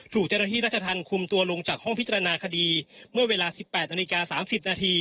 ถูกเจริญที่ราชธรรมคุมตัวลงจากห้องพิจารณาคดีเมื่อเวลา๑๘น๓๐น